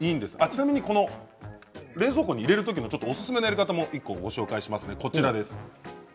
ちなみに冷蔵庫に入れるときのおすすめのやり方も１個ご紹介しますね。